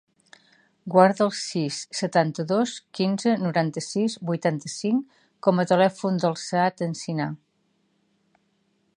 Guarda el sis, setanta-dos, quinze, noranta-sis, vuitanta-cinc com a telèfon del Saad Encinar.